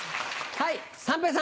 はい。